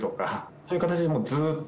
そういう形でずっと